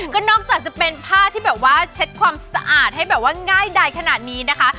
ก็นอกจากจะเป็นผ้าที่แบบว่าเช็ดความสะอาดให้แบบว่าง่ายใดขนาดนี้นะคะ